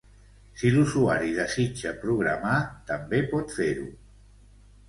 Si l'usuari desitja programar, també pot fer-ho.